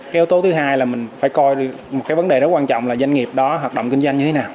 cái yếu tố thứ hai là mình phải coi một cái vấn đề rất quan trọng là doanh nghiệp đó hoạt động kinh doanh như thế nào